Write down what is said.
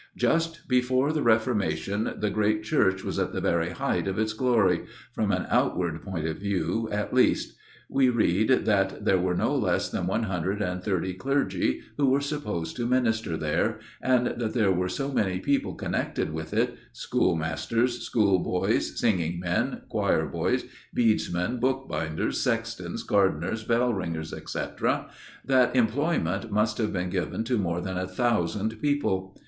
Just before the Reformation the great church was at the very height of its glory from an outward point of view, at least. We read that there were no less than one hundred and thirty clergy who were supposed to minister there, and that there were so many people connected with it schoolmasters, schoolboys, singing men, choir boys, bedesmen, bookbinders, sextons, gardeners, bell ringers, etc. that employment must have been given to more than a thousand people.